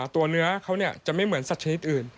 ตัวเนื้อเขาจะไม่เหมือนสัตว์ชนิดอื่น